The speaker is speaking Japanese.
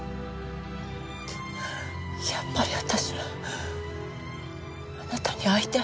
やっぱり私はあなたに会いたい。